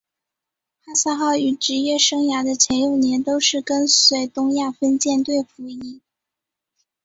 汉萨号于职业生涯的前六年都是跟随东亚分舰队服役。